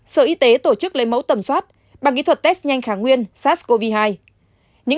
sở y tế tổ chức lấy mẫu tầm soát bằng kỹ thuật test nhanh kháng nguyên sars cov hai